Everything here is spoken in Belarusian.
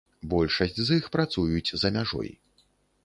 Большасць з іх працуюць за мяжой.